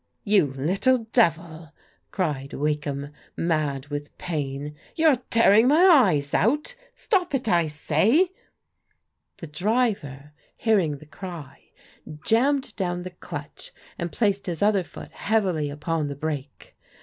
"You little devil," cried Wakeham, mad with pain, " you're tearing my eyes out ! Stop it, I say !" The driver, hearing the cry, jammed down the clutch and placed his other foot heavily upon the brake.